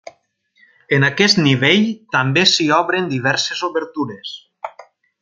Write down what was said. En aquest nivell també s'hi obren diverses obertures.